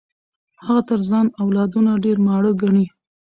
هغه تر ځان اولادونه ډېر ماړه ګڼي.